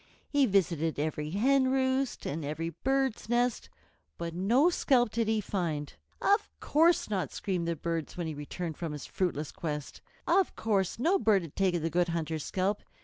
He visited every hen roost and every bird's nest, but no scalp did he find. "Of course not!" screamed the birds when he returned from his fruitless quest, "Of course no bird has taken the Good Hunter's scalp.